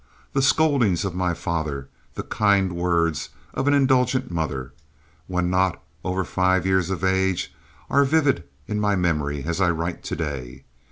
The scoldings of my father, the kind words of an indulgent mother, when not over five years of age, are vivid in my memory as I write to day.